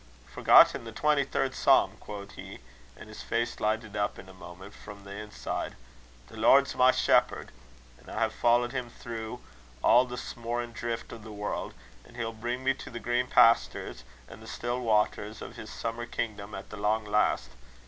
'Forgotten the twenty third psalm!' quo' he; an' his face lighted up in a moment frae the inside: 'The Lord's my shepherd, an' I hae followed Him through a' the smorin' drift o' the warl', an' he'll bring me to the green pastures an' the still waters o' His summer kingdom at the lang last.